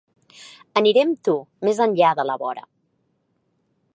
Aniré amb tu més enllà de la vora.